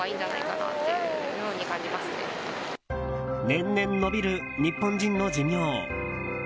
年々延びる日本人の寿命。